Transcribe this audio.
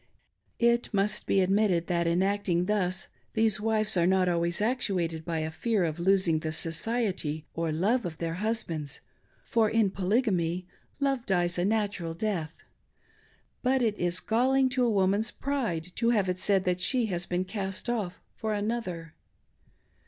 It must be admit ted .that, in acting thus, these wives are not always actuated by a fear of losing the society or love' of their husbands, for, in Polygamy, love dies a natural death ; but it is galling to a woman's pride to have it said that she has been cast off for another.